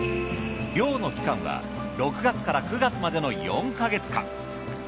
漁の期間は６月から９月までの４ヶ月間。